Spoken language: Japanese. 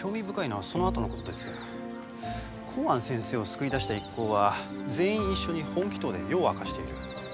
幸庵先生を救い出した一行は全員一緒に本鬼頭で夜を明かしている。